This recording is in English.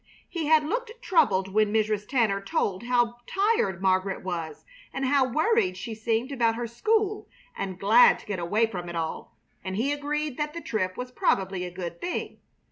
He had looked troubled when Mrs. Tanner told how tired Margaret was, and how worried she seemed about her school and glad to get away from it all; and he agreed that the trip was probably a good thing.